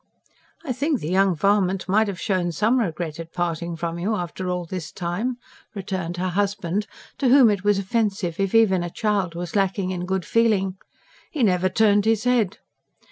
"I think the young varmint might have shown some regret at parting from you, after all this time," returned her husband, to whom it was offensive if even a child was lacking in good feeling. "He never turned his head.